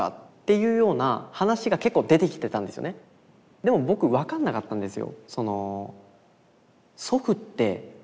でも僕分かんなかったんですよ。